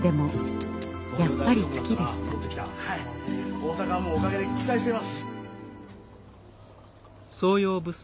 大阪もおかげで期待しています！